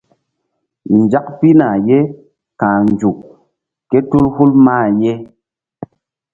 Nzak pihna ye ka̧h nzuk kétul hul mah ye.